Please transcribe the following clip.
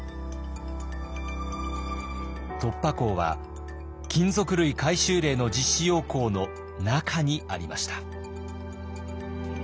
突破口は金属類回収令の実施要網の中にありました。